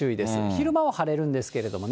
昼間は晴れるんですけれどもね。